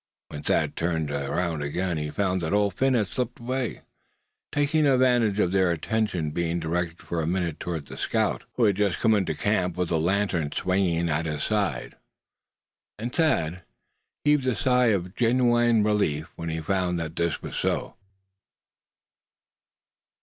When Thad turned around again he found that Old Phin had slipped away, taking advantage of their attention being directed for a minute toward the scout who had just come into camp with the lantern swinging at his side. And Thad heaved a sigh of genuine relief when he found that this was so.